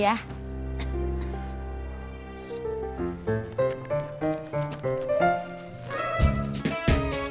ya udah gue naikin ya